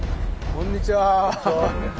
こんにちは。